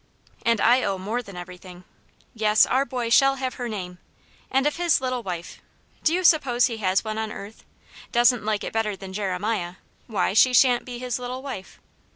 " And I owe more than everything. Yes, our boy shall have her name, and if his little wife — do you suppose he has one on earth }— doesn't like it better than Jeremiah, why she shan't be his little wife."